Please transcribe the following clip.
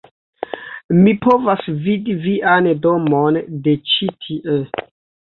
mi povas vidi vian domon de ĉi-tie!